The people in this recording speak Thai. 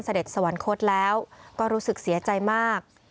สวรรคตแล้วก็รู้สึกเสียใจมาก